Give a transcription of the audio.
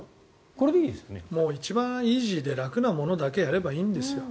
一番イージーで楽なものだけやればいいんですよ。